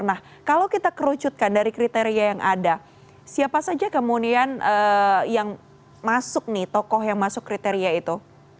nah kalau kita kerucutkan dari kriteria yang ada siapa saja kemudian yang masuk nih tokoh yang masuk kriteria itu